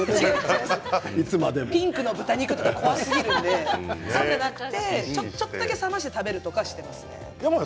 ピンクの豚肉とか怖すぎるのでそうじゃなくてちょっとだけ冷まして食べるようにしています。